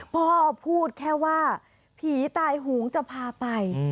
พ่อพูดแค่ว่าผีตายหูงจะพาไป